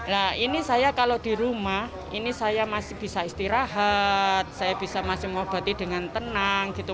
nah ini saya kalau di rumah ini saya masih bisa istirahat saya bisa masih mengobati dengan tenang gitu